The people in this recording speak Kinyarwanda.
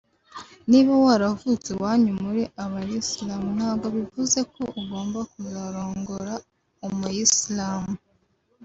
niba waravutse iwanyu muri abayisilamu ntabwo bivuze ko ugomba kuzarongora umuyisilamu